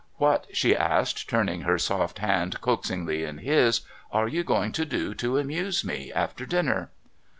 ' What,' she asked, turning her soft hand coaxingly in his, ' are you going to do to amuse me after dinner